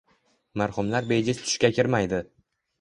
Marhumlar bejiz tushga kirmaydi.